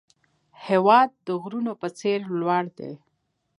هېواد د غرونو په څېر لوړ دی.